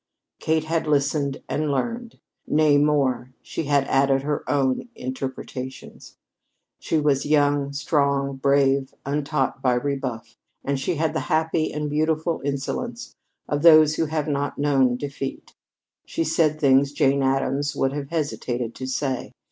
Kate had listened and learned. Nay, more, she had added her own interpretations. She was young, strong, brave, untaught by rebuff, and she had the happy and beautiful insolence of those who have not known defeat. She said things Jane Addams would have hesitated to say.